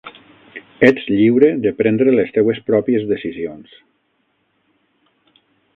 Ets lliure de prendre les teues pròpies decisions.